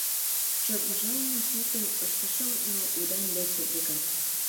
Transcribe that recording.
Шыргыжалме шотым ыштышым, но удан лекте, векат.